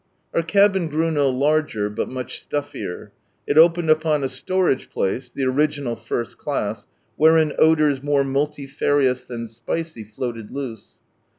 Our cabin grew no larger, but much stuffier. It opened upon a storage place, (the original tst class) wherein odours nioie multifarious than spicy floated loose.